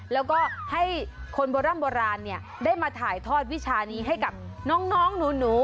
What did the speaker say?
แล้วก็ให้คนโบร่ำโบราณได้มาถ่ายทอดวิชานี้ให้กับน้องหนู